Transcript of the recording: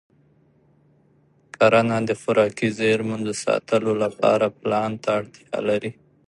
کرنه د خوراکي زېرمو د ساتلو لپاره پلان ته اړتیا لري.